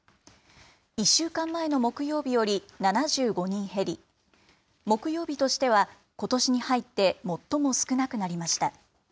１週間前の木曜日より７５人減り、木曜日としては、ことしに入って最も少なくなりました。